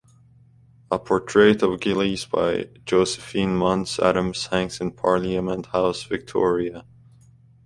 A portrait of Gillies by Josephine Muntz-Adams hangs in Parliament House Victoria.